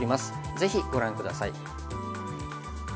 ぜひご覧下さい。